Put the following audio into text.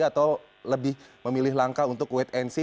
atau lebih memilih langkah untuk wait and see